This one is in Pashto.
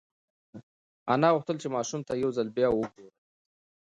انا غوښتل چې ماشوم ته یو ځل بیا وگوري.